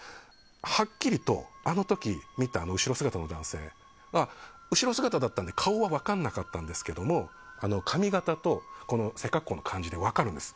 はっきりと、あの時見たあの後ろ姿の男性は後ろ姿だったので顔は分からなかったんですけど髪形と背格好の感じで分かるんです。